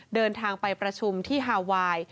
เดินทางไปประชุมที่ฮาไวน์